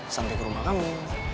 santi ke rumah kamu